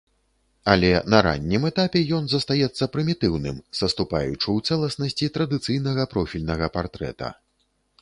Але на раннім этапе ён застаецца прымітыўным, саступаючы ў цэласнасці традыцыйнага профільнага партрэта.